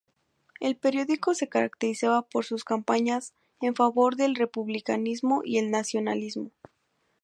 El periódico se caracterizaba por sus campañas en favor del republicanismo y el nacionalismo.